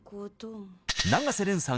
永瀬廉さん